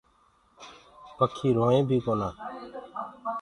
پکي روئينٚ بي ڪونآ۔